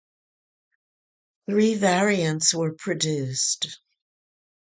Three variants were produced.